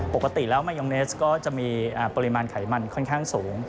ปกติแล้วมายองเนสก็จะมีปริมาณไขมันค่อนข้างสูง